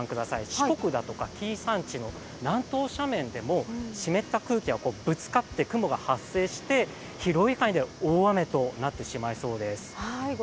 四国だとか紀伊山地の南東斜面でも湿った空気がぶつかって雲が発生して広い範囲で大雨となってしまいそうです。